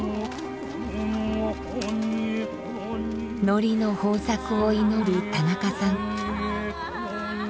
のりの豊作を祈る田中さん。